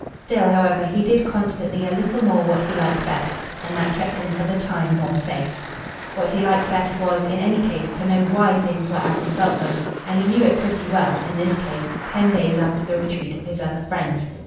Still, however, he did constantly a little more what he liked best, and that kept him for the time more safe. What he liked best was, in any case, to know WHY things were as he felt them; and he knew it pretty well, in this case, ten days after the retreat of his other friends.